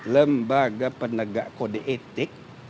lembaga pendegak kode etik